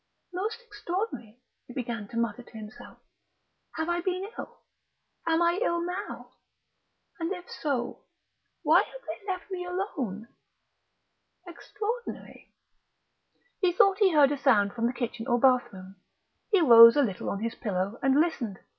"Most extraordinary!" he began to mutter to himself. "Have I been ill? Am I ill now? And if so, why have they left me alone?... Extraordinary!..." He thought he heard a sound from the kitchen or bathroom. He rose a little on his pillow, and listened....